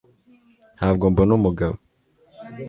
Ntabwo mbona umugabo